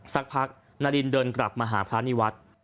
สักพักนารินเดินกลับมาหาพระนิวัฒน์